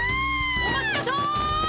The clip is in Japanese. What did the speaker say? お待ちなさい！